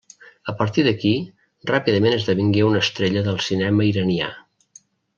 A partir d'aquí, ràpidament esdevingué una estrella del cinema iranià.